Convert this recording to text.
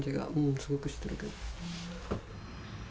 すごくしてるけど。